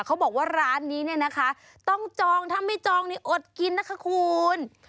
เขาบอกว่าร้านนี้เนี่ยนะคะต้องจองถ้าไม่จองนี่อดกินนะคะคุณ